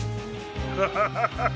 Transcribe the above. ハハハハハ。